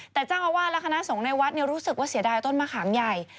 แต่จ้าว่าลักษณะส่งในวัดรู้สึกว่าเสียดายต้นมะขามใหญ่